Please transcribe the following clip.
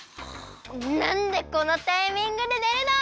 なんでこのタイミングでねるの！？